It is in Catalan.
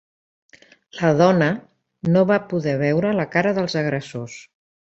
La dona no va poder veure la cara dels agressors.